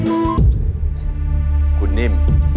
สู้สู้ดี